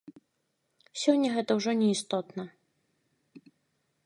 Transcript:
Сёння гэта ўсё ўжо не істотна.